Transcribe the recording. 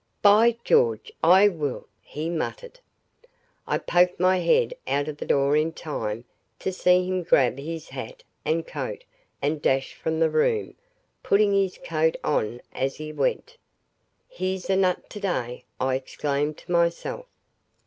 "By George I WILL," he muttered. I poked my head out of the door in time to see him grab up his hat and coat and dash from the room, putting his coat on as he went. "He's a nut today," I exclaimed to myself.